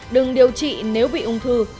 đừng điều trị nếu bị ung thư